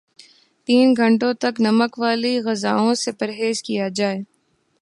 تین گھنٹوں تک نمک والی غذاوں سے پرہیز کیا جائے